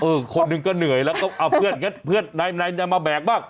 เออคนหนึ่งก็เหนื่อยแล้วก็อ้าวเพื่อนไหนจะมาแบกบ้าง